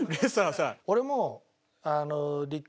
俺も。